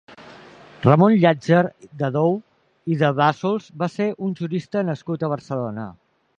Ramon Llàtzer de Dou i de Bassols va ser un jurista nascut a Barcelona.